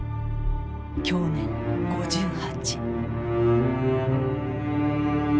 享年５８。